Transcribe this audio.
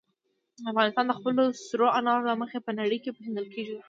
افغانستان د خپلو سرو انارو له مخې په نړۍ کې پېژندل کېږي.